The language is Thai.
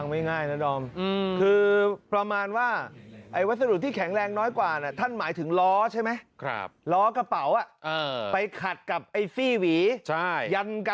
มีการขัดกุวกันระหว่างวัสดุสองชนิดนี้แย่